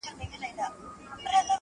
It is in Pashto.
بیا نارې د یا قربان سوې له کیږدیو!.